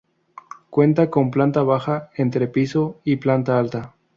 Cuenta con planta baja, entrepiso y planta alta.